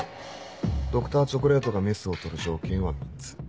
Ｄｒ．チョコレートがメスを執る条件は３つ。